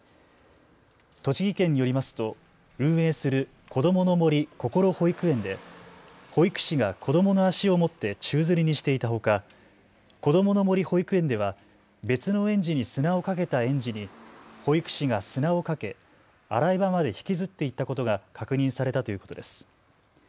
栃木県によりますと運営するこどもの森こころ保育園で保育士が子どもの足を持って宙づりにしていたほかこどもの森保育園では別の園児に砂をかけた園児に保育士が砂をかけ、洗い場まで引きずって行ったことが確認されたということです。